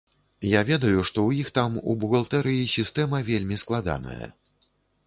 Я ведаю, што ў іх там, у бухгалтэрыі, сістэма вельмі складаная.